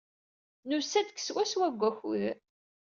Nusa-d deg swaswa deg wakud.